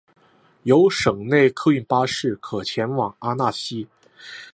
有省内客运巴士可前往阿讷西。